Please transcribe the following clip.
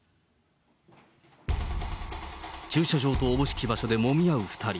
駐車場と思しき場所でもみ合う２人。